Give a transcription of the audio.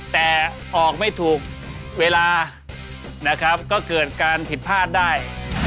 แต่ออกไม่ถูกเวลานะครับก็เกิดการผิดพลาดได้